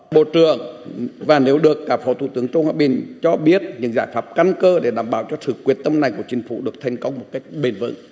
bộ trưởng và nếu được phó thủ tướng trương hòa bình cho biết những giải pháp căn cơ để đảm bảo cho sự quyết tâm này của chính phủ được thành công một cách bền vững